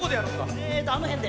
えとあのへんで。